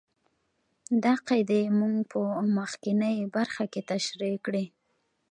دا قاعدې موږ په مخکینۍ برخه کې تشرېح کړې.